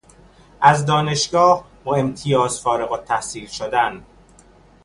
از دانشگاه با امتیاز فارغالتحصیل شدن